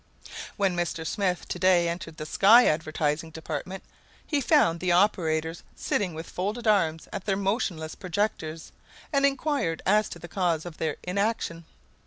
When Mr. Smith to day entered the sky advertising department, he found the operators sitting with folded arms at their motionless projectors, and inquired as to the cause of their inaction.